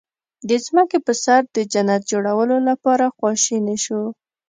د ځمکې په سر د جنت جوړولو لپاره خواشني شو.